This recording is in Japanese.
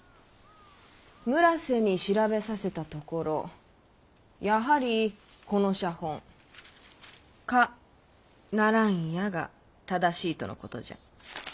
村瀬に調べさせたところやはりこの写本「可ならんや」が正しいとのことじゃ。